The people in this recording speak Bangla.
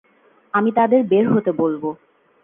আমি তাদের বের হতে বলবো।